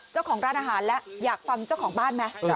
เจ้าของร้านอาหารแล้วอยากฟังเจ้าของบ้านไหม